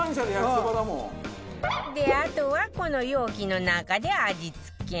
であとはこの容器の中で味付け